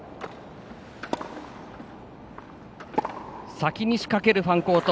先に仕掛けるファンコート。